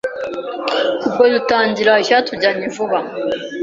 ubwo dutangira icyatujyanye vuba